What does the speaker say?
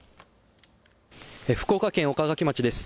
福岡県岡垣町です。